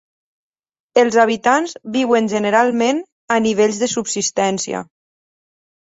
Els habitants viuen generalment a nivells de subsistència.